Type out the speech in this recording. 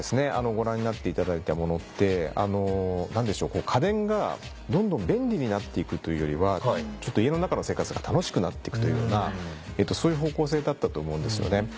ご覧になっていただいたものって家電がどんどん便利になっていくというよりはちょっと家の中の生活が楽しくなっていくというようなそういう方向性だったと思うんですよね。